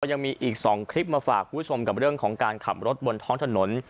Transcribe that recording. ยังมีอีก๒คลิปมาฝากคุณผู้ชมกับเรื่องของการขับรถบนท้องถนน